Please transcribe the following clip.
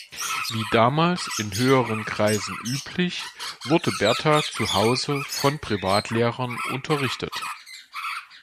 Wie damals in höheren Kreisen üblich wurde Bertha zu Hause von Privatlehrern unterrichtet.